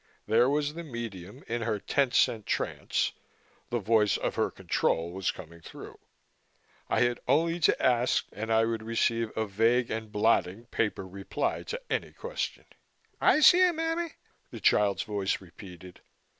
There was the medium in her ten cent trance the voice of her "control" was coming through. I had only to ask and I would receive a vague and blotting paper reply to any question. "I'se here, mammy," the child's voice repeated.